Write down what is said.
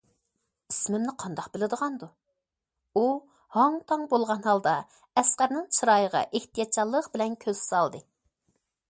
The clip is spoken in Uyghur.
« ئىسمىمنى قانداق بىلىدىغاندۇ؟» ئۇ ھاڭ- تاڭ بولغان ھالدا ئەسقەرنىڭ چىرايىغا ئېھتىياتچانلىق بىلەن كۆز سالدى.